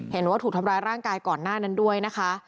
เห็นว่าถูกทำร้ายร่างกายก่อนหน้านั้นด้วยนะคะ